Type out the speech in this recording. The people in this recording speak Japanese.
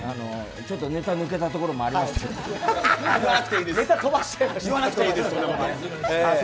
ちょっとネタ抜けたところもありましたけれども。